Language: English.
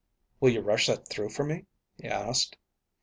"Will you rush that through for me?" he asked.